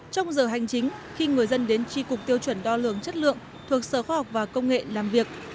trong giờ hành chính khi người dân đến tri cục tiêu chuẩn đo lường chất lượng thuộc sở khoa học và công nghệ làm việc